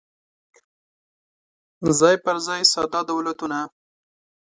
څای پر ځای ساده دولتونه